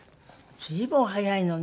随分お早いのね。